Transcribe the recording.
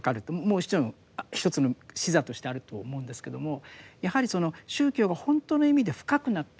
もちろん一つの視座としてあると思うんですけれどもやはりその宗教がほんとの意味で深くなっていく。